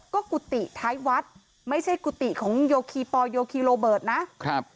ก็กุฏิท้ายวัดไม่ใช่กุฏิของโยคีปอลโยคีโรเบิร์ตนะครับ